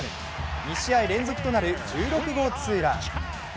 ２試合連続となる１６号ツーラン。